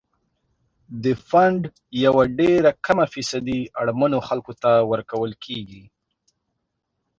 د فنډ یوه ډیره کمه فیصدي اړمنو خلکو ته ورکول کیږي.